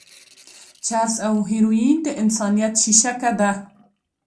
چرس او هيروين د انسانيت شېشکه ده.